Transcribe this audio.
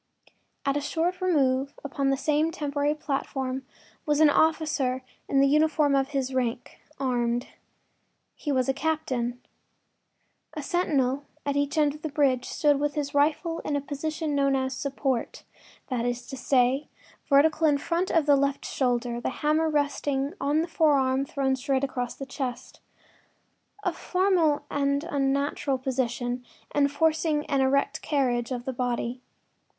At a short remove upon the same temporary platform was an officer in the uniform of his rank, armed. He was a captain. A sentinel at each end of the bridge stood with his rifle in the position known as “support,” that is to say, vertical in front of the left shoulder, the hammer resting on the forearm thrown straight across the chest—a formal and unnatural position, enforcing an erect carriage of the body.